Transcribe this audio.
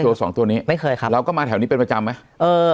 ตัวสองตัวนี้ไม่เคยครับเราก็มาแถวนี้เป็นประจำไหมเออ